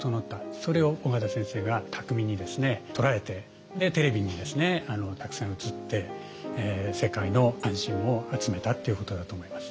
それを緒方先生が巧みに捉えてでテレビにたくさん映って世界の関心を集めたっていうことだと思います。